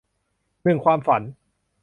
หนึ่งความฝัน